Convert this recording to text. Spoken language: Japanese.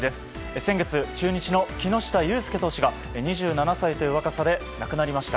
先月、中日の木下雄介投手が２７歳という若さで亡くなりました。